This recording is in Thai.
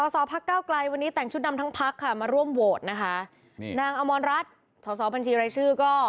ส๊พกลวันนี้แต่งชุดดำทั้งพักมาร่วมโหวตนะคะนางอมรรทถบชไรชื่อก็